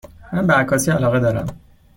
من به عکاسی علاقه دارم.